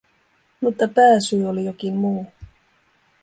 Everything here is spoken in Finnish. Mutta pääsyy oli jokin muu.